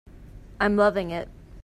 I'm loving it.